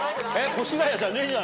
越谷じゃねえじゃんか。